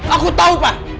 aku tau pak